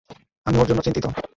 আমি ওর জন্য চিন্তিত।